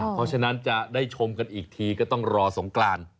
เพราะฉะนั้นจะได้ชมกันอีกทีก็ต้องรอสงกราน